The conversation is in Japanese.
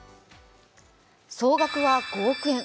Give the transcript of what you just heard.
総額は５億円。